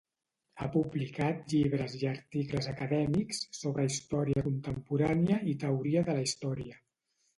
Ha publicat llibres i articles acadèmics sobre història contemporània i teoria de la història.